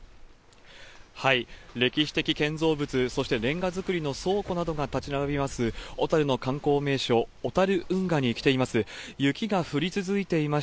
歴史的建造物、そしてレンガ造りの倉庫などが立ち並びます、小樽の観光名所、小樽運河に来ています。